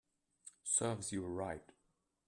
Serves you right